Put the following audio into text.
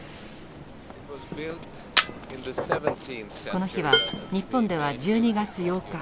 この日は日本では１２月８日。